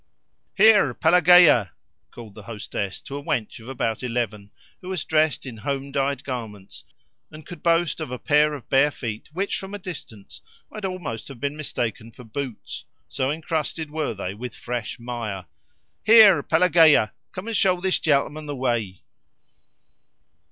"Here, Pelagea!" called the hostess to a wench of about eleven who was dressed in home dyed garments and could boast of a pair of bare feet which, from a distance, might almost have been mistaken for boots, so encrusted were they with fresh mire. "Here, Pelagea! Come and show this gentleman the way."